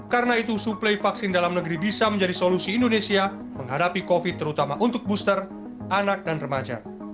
karena itu suplai vaksin dalam negeri bisa menjadi solusi indonesia menghadapi covid terutama untuk booster anak dan remaja